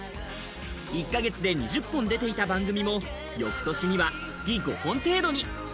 １か月で２０本出ていた番組も翌年には月５本程度に。